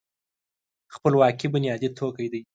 خپلواکي بنیادي توکی دی.